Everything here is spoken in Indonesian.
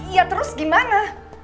ya terus gimana